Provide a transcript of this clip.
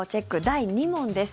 第２問です。